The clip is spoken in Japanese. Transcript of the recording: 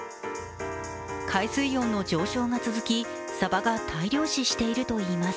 海水温の上昇が続き、さばが大量死しているといいます。